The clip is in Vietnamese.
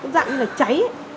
giảm như là cháy